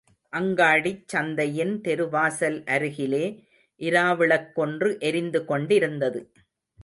அங்காடிச் சந்தையின் தெருவாசல் அருகிலே, இராவிளக் கொன்று எரிந்து கொண்டிருந்தது.